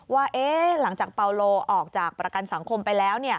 ว่าหลังจากเปาโลออกจากประกันสังคมไปแล้ว